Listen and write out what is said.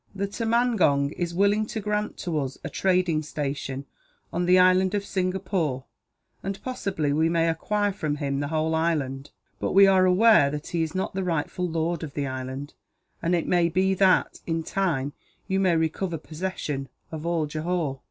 The tumangong is willing to grant to us a trading station, on the island of Singapore and, possibly, we may acquire from him the whole island; but we are aware that he is not the rightful lord of the island, and it may be that, in time, you may recover possession of all Johore.